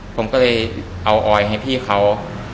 ผมก็เลยเอาออยให้พี่เขา